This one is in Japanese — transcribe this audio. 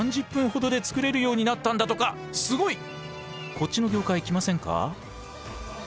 こっちの業界来ませんか？